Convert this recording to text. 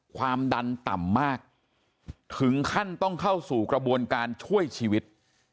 ความดันต่ำมากถึงขั้นต้องเข้าสู่กระบวนการช่วยชีวิต